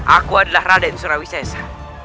aku adalah raden surawisesa